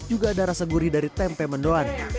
juga ada rasa gurih dari tempe mendoan